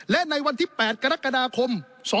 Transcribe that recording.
และในวันที่๘กรกฎาคม๒๕๖